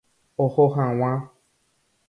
Oho hag̃ua.